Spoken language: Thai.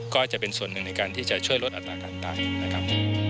ก็จะเป็นส่วนหนึ่งในการที่จะช่วยลดอัตราการตายนะครับ